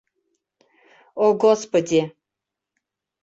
О Господи!